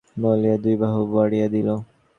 বলিয়া দুই বাহু বাড়াইয়া দিল।